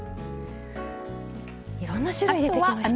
いろんな種類出てきました。